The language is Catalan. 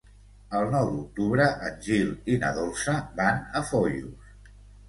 El nou d'octubre en Gil i na Dolça van a Foios.